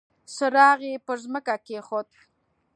څراغ يې پر ځمکه کېښود.